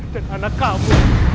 dan anak kamu